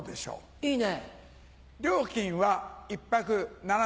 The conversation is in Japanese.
いいね。